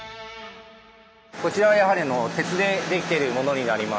こちらはやはり鉄で出来ているものになります。